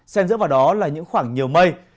xen giữa vào đó là những khoảng nhiều mây